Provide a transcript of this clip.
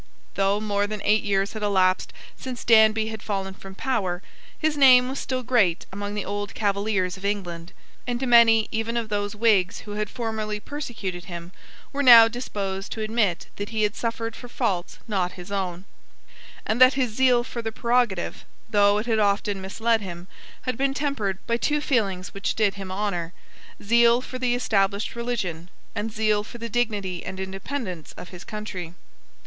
Though more than eight years had elapsed since Danby had fallen from power, his name was still great among the old Cavaliers of England; and many even of those Whigs who had formerly persecuted him were now disposed to admit that he had suffered for faults not his own, and that his zeal for the prerogative, though it had often misled him, had been tempered by two feelings which did him honour, zeal for the established religion, and zeal for the dignity and independence of his country.